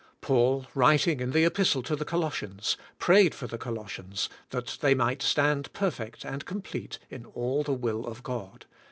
Paul, writing in the Epistle to the Colossians, prayed for the Colossians, that they might stand perfect and complete in all the will of God.